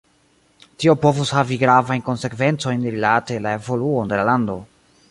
Tio povus havi gravajn konsekvencojn rilate la evoluon de la lando.